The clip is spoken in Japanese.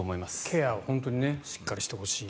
ケアを本当にしっかりしてほしい。